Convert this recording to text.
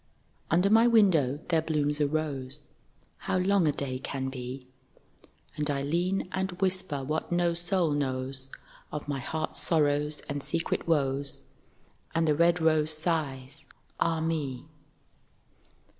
Under my window there blooms a rose, (How long a day can be.) And I lean and whisper what no soul knows Of my heart's sorrows and secret woes, And the red rose sighs, 'Ah me!'